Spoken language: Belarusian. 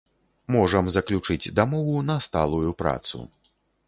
Можам заключыць дамову на сталую працу.